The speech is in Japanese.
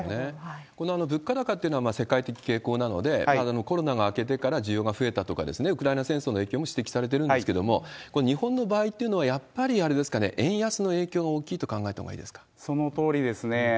この物価高というのは、世界的傾向なので、コロナが明けてから、需要が増えたとか、ウクライナ戦争の影響も指摘されているんですけれども、これ、日本の場合というのは、やっぱりあれですかね、円安の影響が大きいそのとおりですね。